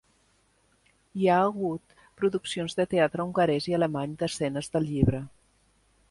Hi ha hagut produccions de teatre hongarès i alemany d'escenes del llibre.